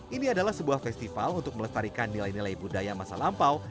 ini adalah sebuah festival untuk melestarikan nilai nilai budaya masa lampau